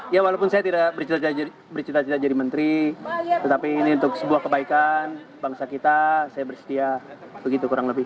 ya walaupun saya tidak bercita cita jadi menteri tetapi ini untuk sebuah kebaikan bangsa kita saya bersedia begitu kurang lebih